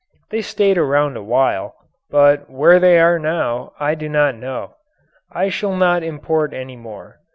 They stayed around a while, but where they are now I do not know. I shall not import any more.